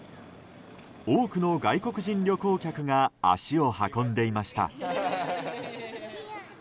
多くの外国人旅行客が足を運んでいました。